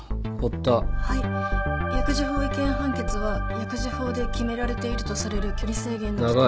薬事法違憲判決は薬事法で決められているとされる距離制限の規定。